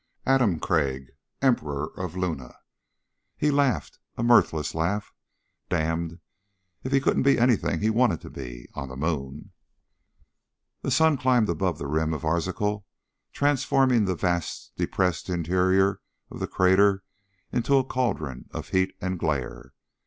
Adam Crag, Emperor of Luna. He laughed a mirthless laugh. Damned if he couldn't be anything he wanted to be on the Moon. The sun climbed above the rim of Arzachel transforming the vast depressed interior of the crater into a caldron of heat and glare.